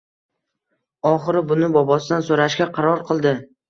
Oxiri buni bobosidan soʻrashga qaror qildi